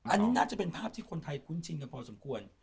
อันนี้น่าจะเป็นภาพที่คนไทยคุ้นชินกันพอสมควร